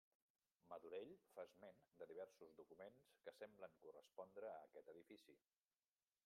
Madurell fa esment de diversos documents que semblen correspondre a aquest edifici.